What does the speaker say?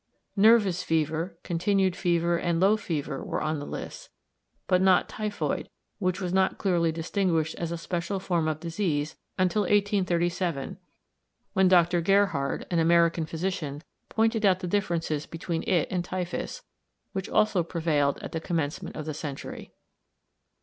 "Nervous fever," "continued fever," and "low fever" were on the lists, but not typhoid, which was not clearly distinguished as a special form of disease until 1837, when Dr. Gerhard, an American physician, pointed out the differences between it and typhus, which also prevailed at the commencement of the century.